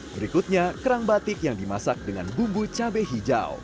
berikutnya kerang batik yang dimasak dengan bumbu cabai hijau